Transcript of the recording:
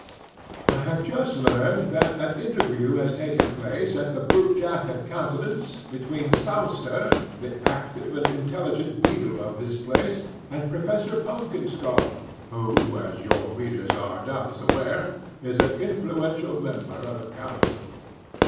'I have just learnt that an interview has taken place at the Boot jack and Countenance between Sowster, the active and intelligent beadle of this place, and Professor Pumpkinskull, who, as your readers are doubtless aware, is an influential member of the council.